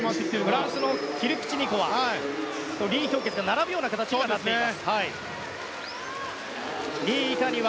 フランスのキルピチニコリ・ヒョウケツ並ぶような形になっています。